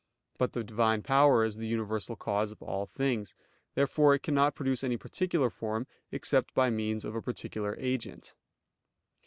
But the Divine power is the universal cause of all things. Therefore it cannot produce any particular form, except by means of a particular agent.